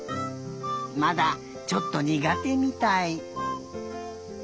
まだちょっとにがてみたい。